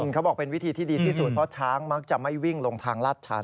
เขาบอกเป็นวิธีที่ดีที่สุดเพราะช้างมักจะไม่วิ่งลงทางลาดชัน